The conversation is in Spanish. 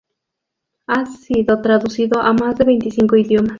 Ha sido traducido a más de veinticinco idiomas.